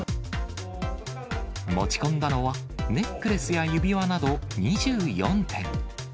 持ち込んだのはネックレスや指輪など２４点。